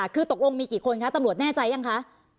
คือตกลงมีกี่คนคะตำรวจแน่ใจยังคะ